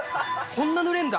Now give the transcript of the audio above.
こんなぬれんだ。